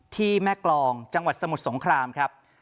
ที่แม่กรองจังหวัดสมุทรสงครามครับ